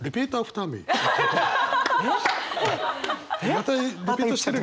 またリピートしてる。